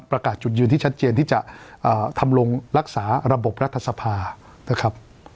จุดยืนที่ชัดเจนที่จะทำลงรักษาระบบรัฐสภานะครับ